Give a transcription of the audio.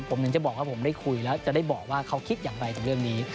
ผมถึงจะบอกว่าผมได้คุยแล้วจะได้บอกว่าเขาคิดอย่างไรถึงเรื่องนี้